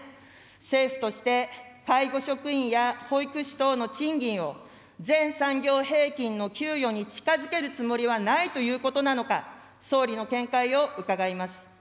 政府として、介護職員や保育士等の賃金を、全産業平均の給与に近づけるつもりはないということなのか、総理の見解を伺います。